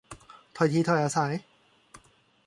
ถ้อยทีถ้อยอาศัย